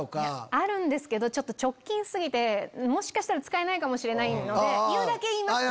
あるんですけど直近過ぎてもしかしたら使えないかもしれないので言うだけ言いますね。